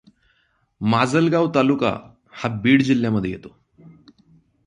माजलगाव तालुका हा बीड जिल्ह्यामध्ये येतो.